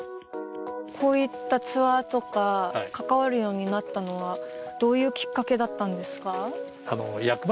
こういったツアーとか関わるようになったのはどういうきっかけだったんですか？